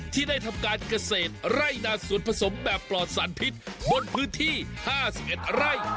ที่ได้ทำการเกษตรไร่นาสวนผสมแบบปลอดสารพิษบนพื้นที่๕๑ไร่